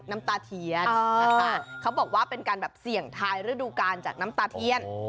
น้ำตาเทียนนะคะเขาบอกว่าเป็นการแบบเสี่ยงทายฤดูกาลจากน้ำตาเทียน